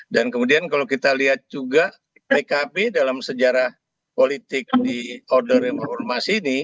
dan kemudian kalau kita lihat juga pkb dalam sejarah politik di order yang berhormat sini